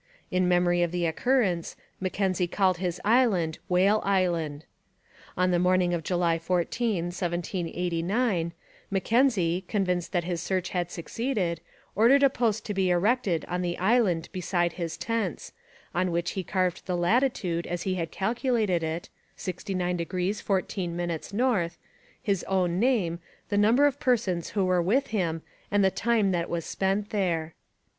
In memory of the occurrence, Mackenzie called his island Whale Island. On the morning of July 14, 1789, Mackenzie, convinced that his search had succeeded, ordered a post to be erected on the island beside his tents, on which he carved the latitude as he had calculated it (69° 14' north), his own name, the number of persons who were with him and the time that was spent there.